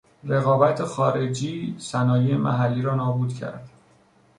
رقابت خارجی صنایع محلی را نابود کرد.